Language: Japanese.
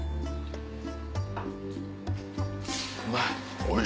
うまい！